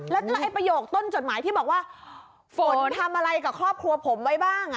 แล้วไอ้ประโยคต้นจดหมายที่บอกว่าฝนทำอะไรกับครอบครัวผมไว้บ้าง